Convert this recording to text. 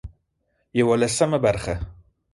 يولسمه برخه